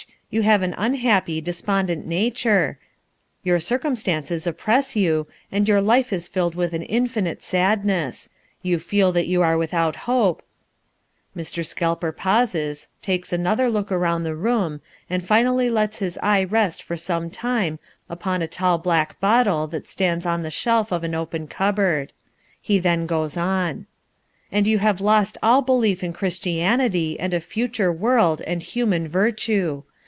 You have an unhappy, despondent nature; your circumstances oppress you, and your life is filled with an infinite sadness. You feel that you are without hope " Mr. Scalper pauses, takes another look around the room, and finally lets his eye rest for some time upon a tall black bottle that stands on the shelf of an open cupboard. Then he goes on: " and you have lost all belief in Christianity and a future world and human virtue.